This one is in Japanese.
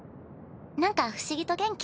なんか不思議と元気。